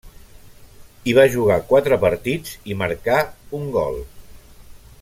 Hi va jugar quatre partits, i marcà un gol.